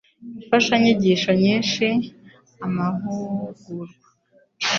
imfashanyigisho nyinshi n amahugurwa